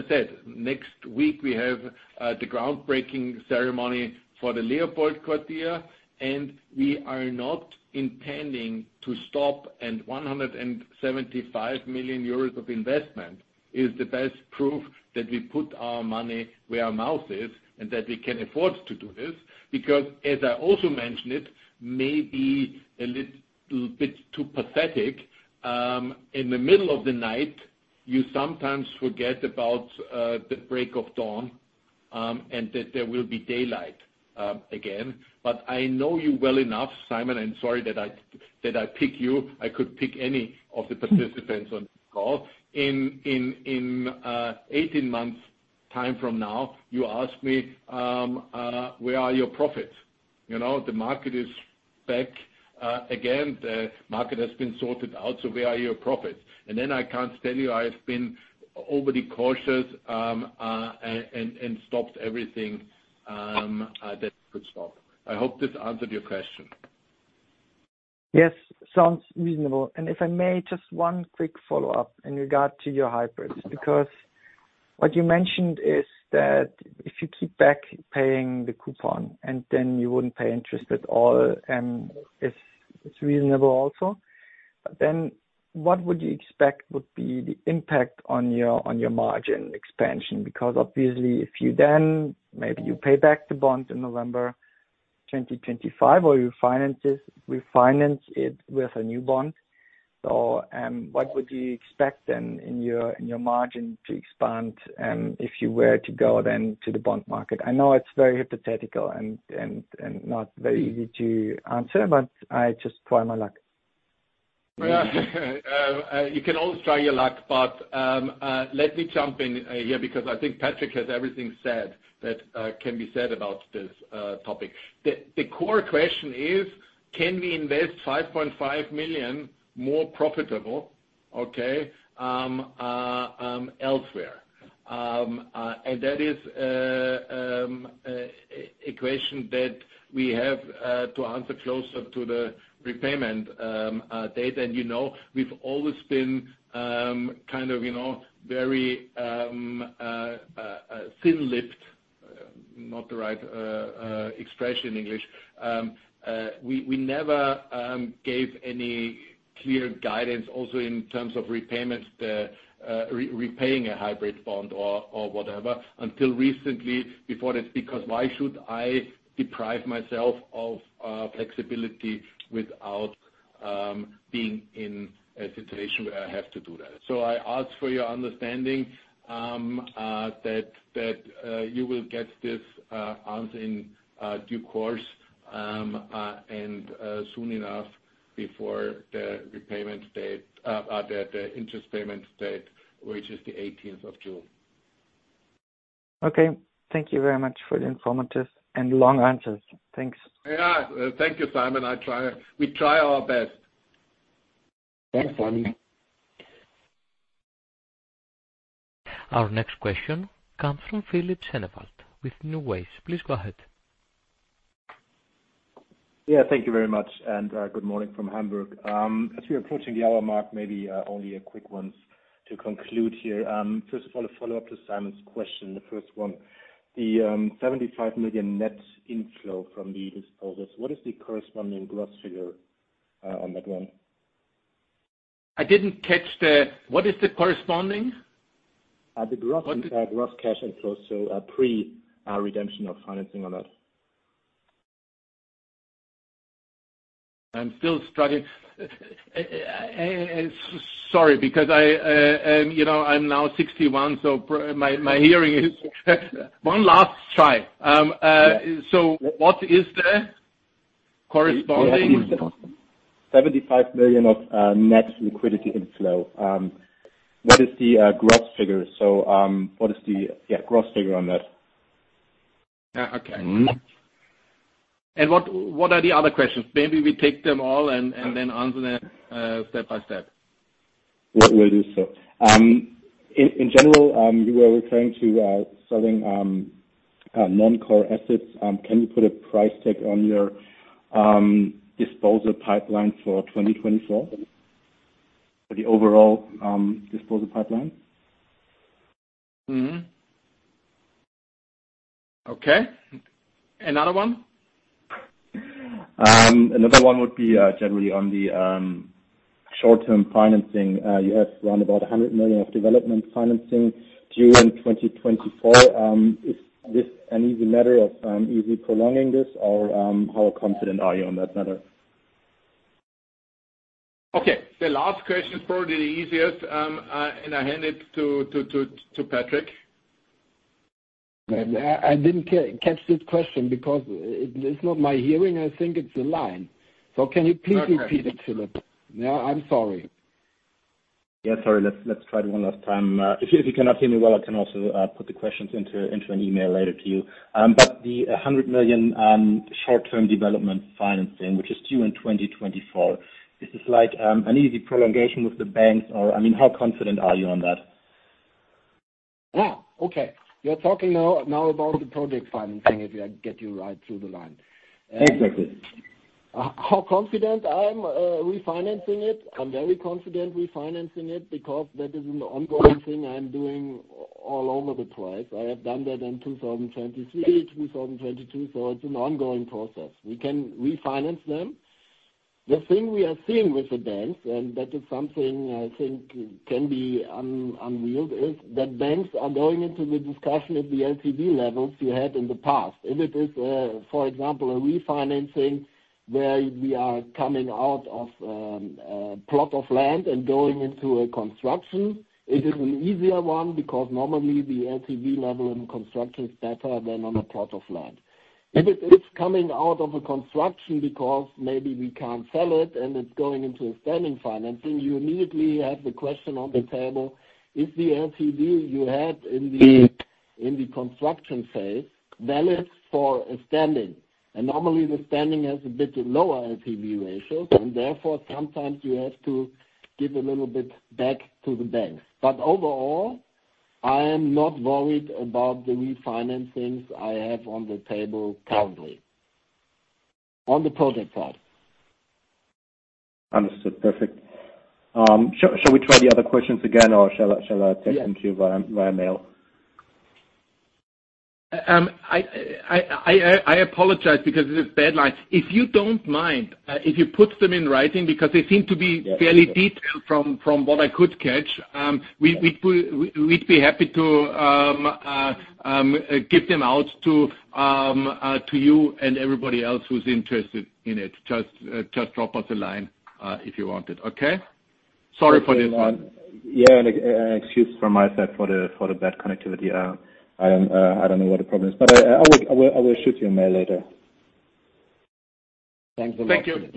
said, next week, we have the groundbreaking ceremony for the Leopold Quartier, and we are not intending to stop. 175 million euros of investment is the best proof that we put our money where our mouth is and that we can afford to do this because, as I also mentioned, maybe a little bit too pathetic, in the middle of the night, you sometimes forget about the break of dawn and that there will be daylight again. But I know you well enough, Simon, and sorry that I pick you. I could pick any of the participants on this call. In 18 months' time from now, you ask me, "Where are your profits? The market is back again. The market has been sorted out. So where are your profits?" And then I can't tell you I have been overly cautious and stopped everything that could stop. I hope this answered your question. Yes. Sounds reasonable. And if I may, just one quick follow-up in regard to your hybrids because what you mentioned is that if you keep back paying the coupon and then you wouldn't pay interest at all, it's reasonable also. But then what would you expect would be the impact on your margin expansion because, obviously, if you then maybe you pay back the bond in November 2025 or you refinance it with a new bond, so what would you expect then in your margin to expand if you were to go then to the bond market? I know it's very hypothetical and not very easy to answer, but I just try my luck. Yeah. You can always try your luck, but let me jump in here because I think Patric has everything that can be said about this topic. The core question is, "Can we invest 5.5 million more profitable, okay, elsewhere?" And that is a question that we have to answer closer to the repayment date. And we've always been kind of very thin-lipped - not the right expression in English - we never gave any clear guidance also in terms of repaying a hybrid bond or whatever until recently before this. Because why should I deprive myself of flexibility without being in a situation where I have to do that? So I ask for your understanding that you will get this answer in due course and soon enough before the interest payment date, which is the 18th of June. Okay. Thank you very much for the informative and long answers. Thanks. Yeah. Thank you, Simon. We try our best. Thanks, Simon. Our next question comes from Philipp Sennewald with NuWays. Please go ahead. Yeah. Thank you very much, and good morning from Hamburg. As we're approaching the hour mark, maybe only a quick once to conclude here. First of all, a follow-up to Simon's question, the first one. The 75 million net inflow from the disposals, what is the corresponding gross figure on that one? I didn't catch what is the corresponding? The gross cash inflow, so pre-redemption of financing on that. I'm still struggling. Sorry, because I'm now 61, so my hearing is one last try. So, what is the corresponding? Yeah. It's the corresponding 75 million of net liquidity inflow. What is the gross figure? What is the, yeah, gross figure on that? Yeah. Okay. And what are the other questions? Maybe we take them all and then answer them step by step. We'll do so. In general, you were referring to selling non-core assets. Can you put a price tag on your disposal pipeline for 2024, for the overall disposal pipeline? Okay. Another one? Another one would be generally on the short-term financing. You have around about 100 million of development financing due in 2024. Is this an easy matter of easy prolonging this, or how confident are you on that matter? Okay. The last question is probably the easiest, and I hand it to Patric. I didn't catch this question because it's not my hearing. I think it's the line. So can you please repeat it, Philipp? Yeah. I'm sorry. Yeah. Sorry. Let's try it one last time. If you cannot hear me well, I can also put the questions into an email later to you. But the 100 million short-term development financing, which is due in 2024, this is like an easy prolongation with the banks, or I mean, how confident are you on that? Yeah. Okay. You're talking now about the project financing, if I get you right through the line. How confident I'm refinancing it? I'm very confident refinancing it because that is an ongoing thing I'm doing all over the place. I have done that in 2023, 2022, so it's an ongoing process. We can refinance them. The thing we are seeing with the banks, and that is something I think can be unwieldy, is that banks are going into the discussion at the LTV levels you had in the past. If it is, for example, a refinancing where we are coming out of a plot of land and going into a construction, it is an easier one because normally, the LTV level in construction is better than on a plot of land. If it is coming out of a construction because maybe we can't sell it and it's going into a standing financing, you immediately have the question on the table, "Is the LTV you had in the construction phase valid for a standing?" And normally, the standing has a bit lower LTV ratios, and therefore, sometimes you have to give a little bit back to the banks. But overall, I am not worried about the refinancings I have on the table currently on the project side. Understood. Perfect. Shall we try the other questions again, or shall I text them to you via mail? I apologize because it's a bad line. If you don't mind, if you put them in writing because they seem to be fairly detailed from what I could catch, we'd be happy to give them out to you and everybody else who's interested in it. Just drop us a line if you want it, okay? Sorry for this. Yeah. And excuse from my side for the bad connectivity. I don't know what the problem is, but I will shoot you a mail later. Thanks a lot. Thank you.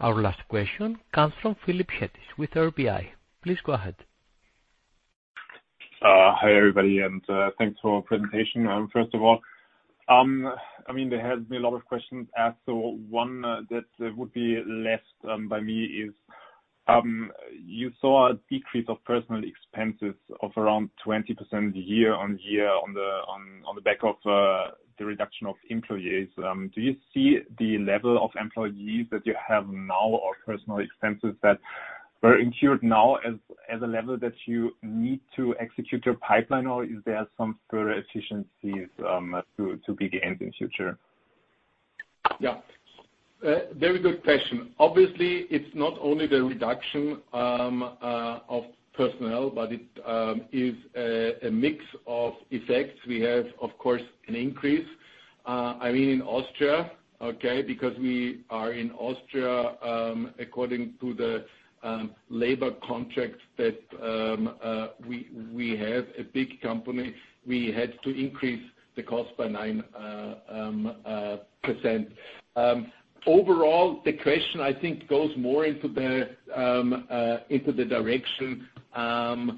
Our last question comes from Philip Hettich with RBI. Please go ahead. Hi, everybody, and thanks for your presentation, first of all. I mean, there have been a lot of questions asked, so one that would be left by me is, you saw a decrease of personal expenses of around 20% year-over-year on the back of the reduction of employees. Do you see the level of employees that you have now or personal expenses that were incurred now as a level that you need to execute your pipeline, or is there some further efficiencies to be gained in future? Yeah. Very good question. Obviously, it's not only the reduction of personnel, but it is a mix of effects. We have, of course, an increase. I mean, in Austria, okay, because we are in Austria, according to the labor contract that we have, a big company, we had to increase the cost by 9%. Overall, the question, I think, goes more into the direction, "Are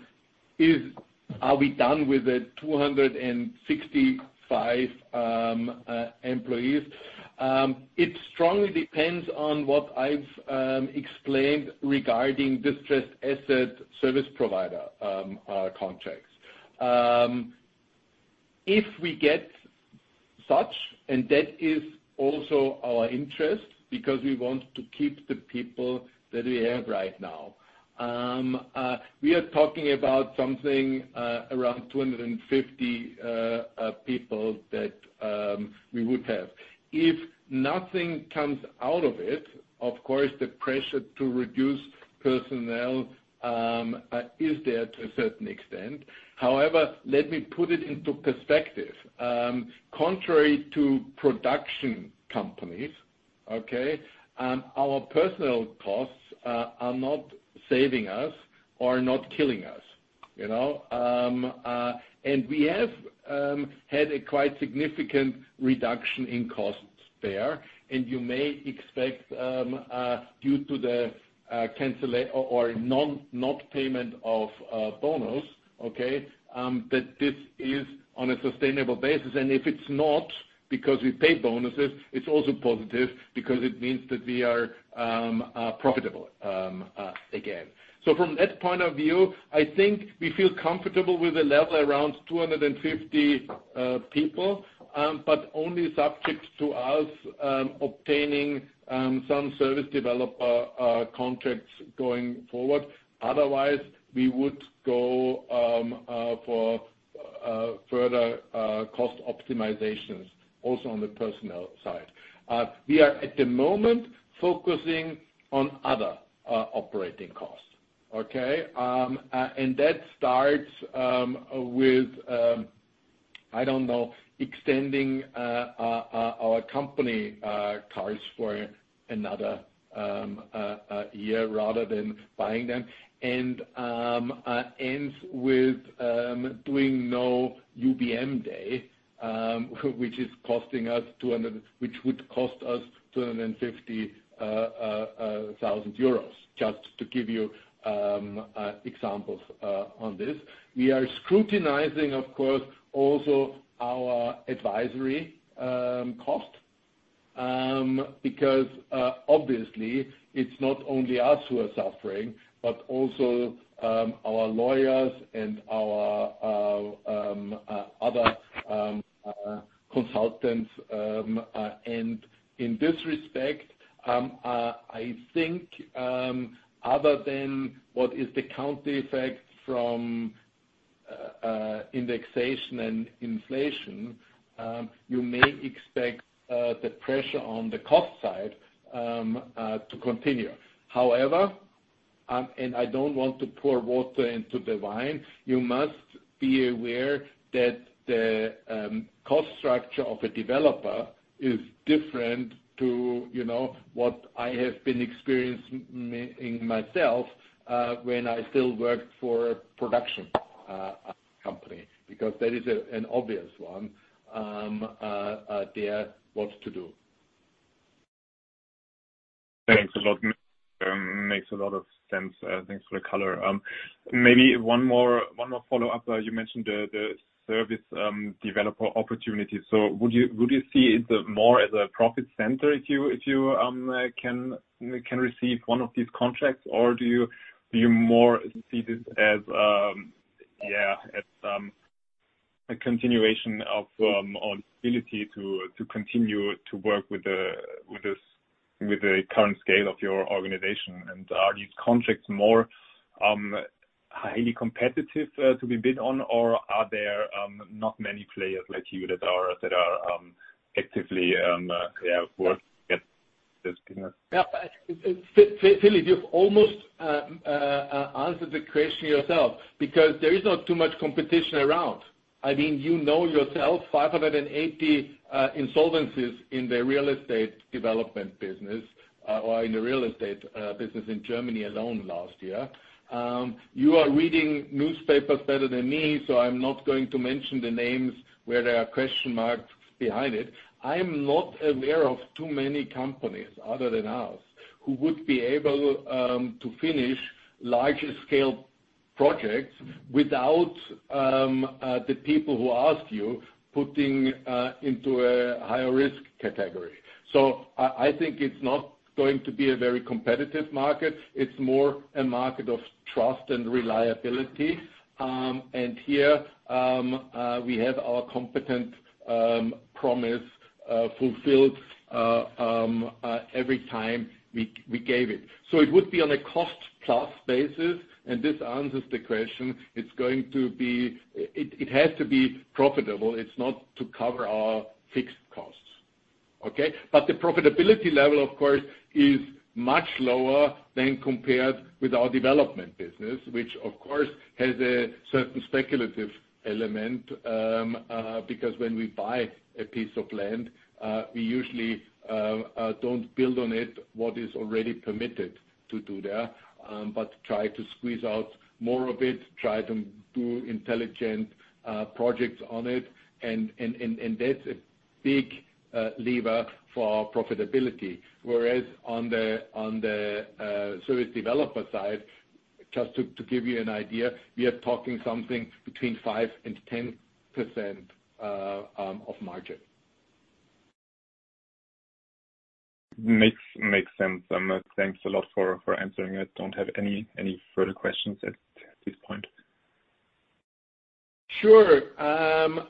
we done with the 265 employees?" It strongly depends on what I've explained regarding distressed asset service provider contracts. If we get such, and that is also our interest because we want to keep the people that we have right now, we are talking about something around 250 people that we would have. If nothing comes out of it, of course, the pressure to reduce personnel is there to a certain extent. However, let me put it into perspective. Contrary to production companies, okay, our personnel costs are not saving us or not killing us. We have had a quite significant reduction in costs there, and you may expect, due to the cancellation or not payment of bonus, okay, that this is on a sustainable basis. If it's not because we pay bonuses, it's also positive because it means that we are profitable again. So from that point of view, I think we feel comfortable with a level around 250 people, but only subject to us obtaining some service developer contracts going forward. Otherwise, we would go for further cost optimizations also on the personnel side. We are, at the moment, focusing on other operating costs, okay? That starts with, I don't know, extending our company cars for another year rather than buying them and ends with doing no UBM Day, which is costing us 200,000, which would cost us 250,000 euros, just to give you examples on this. We are scrutinizing, of course, also our advisory cost because, obviously, it's not only us who are suffering but also our lawyers and our other consultants. In this respect, I think other than what is the country effect from indexation and inflation, you may expect the pressure on the cost side to continue. However, I don't want to pour water into the wine, you must be aware that the cost structure of a developer is different to what I have been experiencing myself when I still worked for a production company because that is an obvious one there, what to do. Thanks a lot. Makes a lot of sense. Thanks for the color. Maybe one more follow-up. You mentioned the service developer opportunities. So would you see it more as a profit center if you can receive one of these contracts, or do you more see this as, yeah, as a continuation of or the ability to continue to work with the current scale of your organization? And are these contracts more highly competitive to be bid on, or are there not many players like you that are actively, yeah, working at this business? Yeah. Philip you've almost answered the question yourself because there is not too much competition around. I mean, you know yourself 580 insolvencies in the real estate development business or in the real estate business in Germany alone last year. You are reading newspapers better than me, so I'm not going to mention the names where there are question marks behind it. I'm not aware of too many companies other than ours who would be able to finish larger-scale projects without the people who ask you putting into a higher-risk category. So I think it's not going to be a very competitive market. It's more a market of trust and reliability. And here, we have our competent promise fulfilled every time we gave it. So it would be on a cost-plus basis, and this answers the question. It's going to be it has to be profitable. It's not to cover our fixed costs, okay? But the profitability level, of course, is much lower than compared with our development business, which, of course, has a certain speculative element because when we buy a piece of land, we usually don't build on it what is already permitted to do there but try to squeeze out more of it, try to do intelligent projects on it. And that's a big lever for profitability. Whereas on the service developer side, just to give you an idea, we are talking something between 5%-10% of margin. Makes sense. Thanks a lot for answering it. Don't have any further questions at this point. Sure.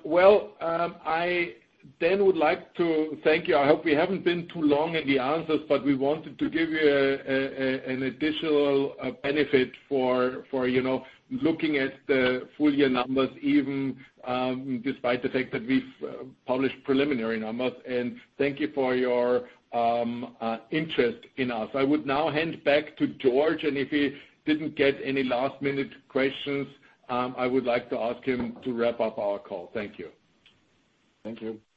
Well, I then would like to thank you. I hope we haven't been too long in the answers, but we wanted to give you an additional benefit for looking at the full-year numbers even despite the fact that we've published preliminary numbers. Thank you for your interest in us. I would now hand back to George, and if he didn't get any last-minute questions, I would like to ask him to wrap up our call. Thank you. Thank you.